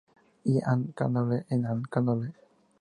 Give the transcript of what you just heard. In: A. de Candolle y C. de Candolle.